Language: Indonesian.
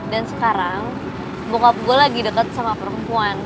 dan sekarang bokap gue lagi deket sama perempuan